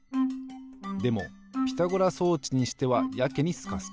でもピタゴラ装置にしてはやけにスカスカ。